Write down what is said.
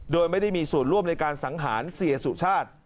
โดยไม่ได้มีส่วนร่วมในการสังหารเสียสุชาติ